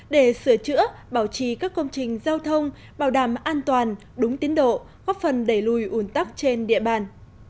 để sửa chữa bảo trì các công trình giao thông bảo đảm an toàn đúng tiến độ góp phần đẩy lùi ủn tắc trên địa bàn